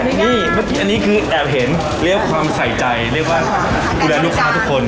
นี่เมื่อกี้อันนี้คือแอบเห็นเรียกความใส่ใจเรียกว่าดูแลลูกค้าทุกคน